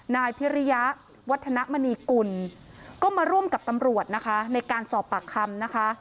นายพิริยะวัฒนมณีกุลก็มาร่วมกับตำรวจนะคะในการสอบปากคำนะคะ